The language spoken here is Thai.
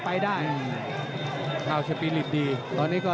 โอ้โหแดงโชว์อีกเลยเดี๋ยวดูผู้ดอลก่อน